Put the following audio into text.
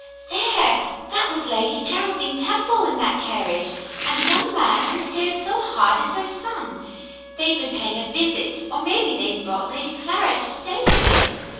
"There, that was Lady Geraldine Temple in that car riage, and the young man who stared so hard is her son. They've been paying a visit, or maybe they've brought Lady Clara to stay a bit.